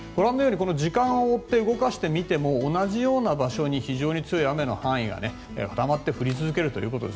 時間を追って動かしてみても同じような場所に非常に強い雨が固まって降り続けるということです。